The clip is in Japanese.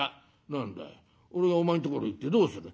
「何だい俺がお前んところ行ってどうする」。